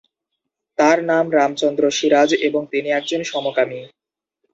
তার নাম রামচন্দ্র সিরাজ এবং তিনি একজন সমকামী।